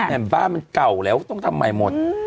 แต่บ้านมันเก่าแล้วต้องทำใหม่หมด